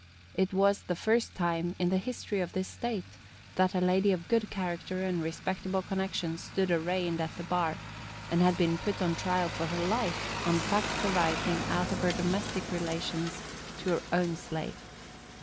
It was the first time, in the history of this state, that a lady of good character and respectable connections stood arraigned at the bar, and had been put on trial for her life, on facts arising out of her domestic relations to her own slave.